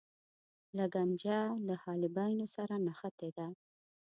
لګنچه له حالبینو سره نښتې ده.